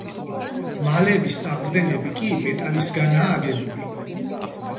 მალების საყრდენები კი მეტალისგანაა აგებული.